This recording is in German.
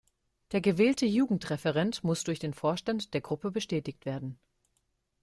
Der gewählte Jugendreferent muss durch den Vorstand der Gruppe bestätigt werden.